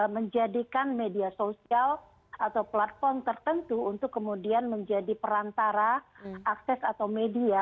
menjadikan media sosial atau platform tertentu untuk kemudian menjadi perantara akses atau media